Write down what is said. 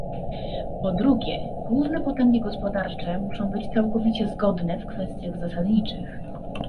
Po drugie, główne potęgi gospodarcze muszą być całkowicie zgodne w kwestiach zasadniczych